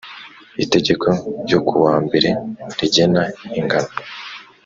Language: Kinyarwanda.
Itegeko ryo ku wa mbere rigena ingano